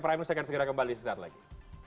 pramu saya akan segera kembali sekejap lagi